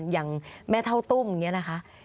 อย่างแม่เท่าตุ้มอย่างนี้นะคะ